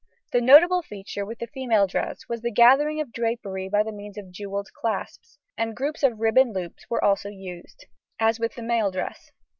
The notable feature with the female dress was the gathering of drapery by means of jewelled clasps, and groups of ribbon loops were also used, as with the male dress.